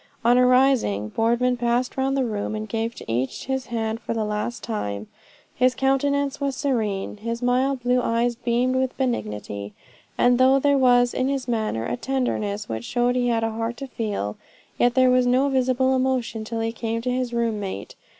On arising, Boardman passed round the room, and gave to each his hand for the last time. His countenance was serene, his mild blue eye beamed with benignity, and though there was in his manner a tenderness which showed he had a heart to feel, yet there was no visible emotion till he came to his room mate.